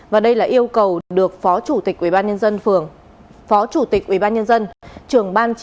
và đây là yêu cầu được phó chủ tịch ubnd phường